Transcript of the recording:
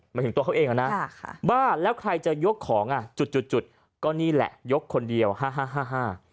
หมายถึงตัวเขาเองเหรอนะบ้าแล้วใครจะยกของจุดก็นี่แหละยกคนเดียวฮ่า